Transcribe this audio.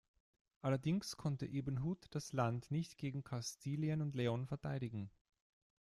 Allerdings konnte Ibn Hud das Land nicht gegen Kastilien und León verteidigen.